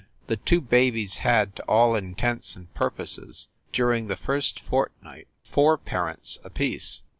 The two babies had, to all intents and purposes, during the first fortnight, four parents apiece.